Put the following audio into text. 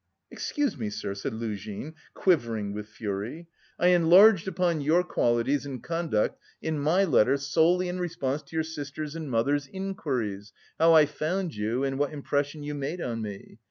"Excuse me, sir," said Luzhin, quivering with fury. "I enlarged upon your qualities and conduct in my letter solely in response to your sister's and mother's inquiries, how I found you, and what impression you made on me.